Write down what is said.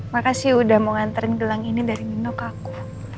makasih udah mau nganterin gelang ini dari nino ke aku